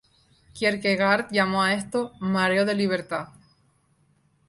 Kierkegaard llamó a esto "mareo de libertad".